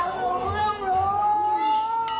สมัครเขาเด็ก